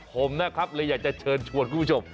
ผมนะครับเลยอยากจะเชิญชวนคุณผู้ชม